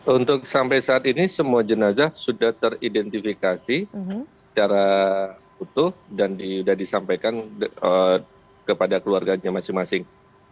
untuk sampai saat ini semua jenazah sudah teridentifikasi secara utuh dan sudah disampaikan kepada keluarganya masing masing